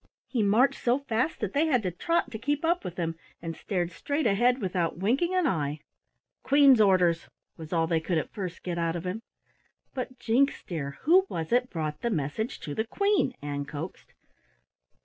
He marched so fast that they had to trot to keep up with him, and stared straight ahead without winking an eye. "Queen's orders," was all they could at first get out of him. "But, Jinks, dear, who was it brought the message to the Queen?" Ann coaxed.